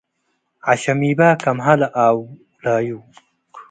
ዐሸሚበ ከምሀ ለኣውላዩ